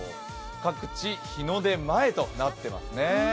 各地、日の出前となってますね。